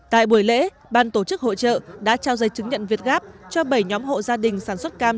tại buổi lễ ban tổ chức hội trợ đã trao dây chứng nhận việt gáp cho bảy nhóm hộ gia đình sản xuất cam